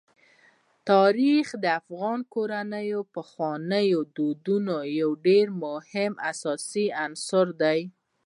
تاریخ د افغان کورنیو د پخوانیو دودونو یو ډېر مهم او اساسي عنصر دی.